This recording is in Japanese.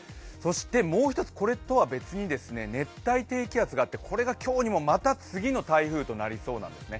もう１つ、これとは別に熱帯低気圧があってこれが今日にもまた次の台風となりそうなんですね。